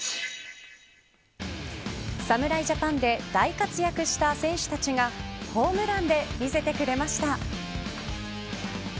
侍ジャパンで大活躍した選手たちがホームランで見せてくれました。